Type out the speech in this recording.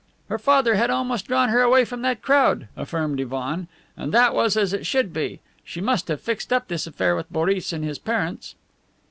"Her father had almost drawn her away from that crowd," affirmed Ivan, "and that was as it should be. She must have fixed up this affair with Boris and his parents."